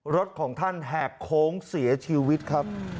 รถของท่านแหกโค้งเสียชีวิตครับ